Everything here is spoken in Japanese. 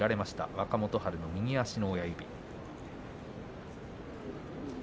若元春の右足の親指。